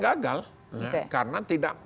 gagal karena tidak